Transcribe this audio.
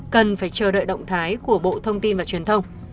cần phải chờ đợi động thái của bộ thông tin và truyền thông